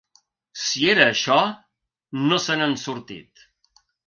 Si era això, no se n’han sortit.